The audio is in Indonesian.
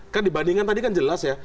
kan dibandingkan tadi kan jelas ya